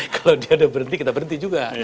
kalau dia udah berhenti kita berhenti juga